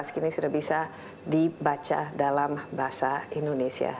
kini sudah bisa dibaca dalam bahasa indonesia